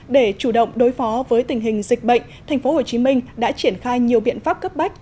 để chủ động đối phó với tình hình dịch bệnh tp hcm đã triển khai nhiều biện pháp cấp bách